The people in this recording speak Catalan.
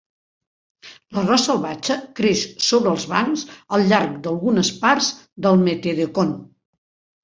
L'arròs salvatge creix sobre els bancs al llarg d'algunes parts del Metedeconk.